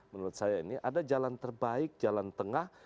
menurut saya ini ada jalan terbaik jalan tengah